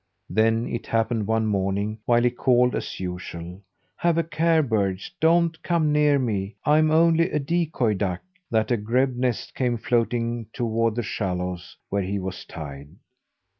Then it happened one morning, while he called as usual: "Have a care, birds! Don't come near me! I'm only a decoy duck," that a grebe nest came floating toward the shallows where he was tied.